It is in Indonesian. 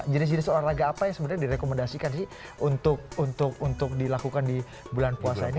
jenis jenis olahraga apa yang sebenarnya direkomendasikan sih untuk dilakukan di bulan puasa ini